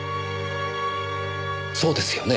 そうですよね？